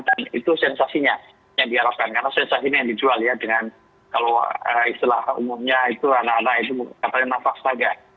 dan itu sensasinya yang diharapkan karena sensasinya yang dijual ya dengan kalau istilah umumnya itu anak anak itu mengatakan nafas paga